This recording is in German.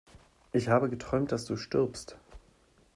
Ich habe geträumt, dass du stirbst!